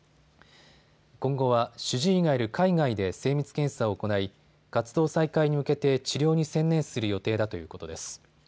今後は主治医がいる海外で精密検査を行い、活動再開に向けて治療に専念する予定だということです。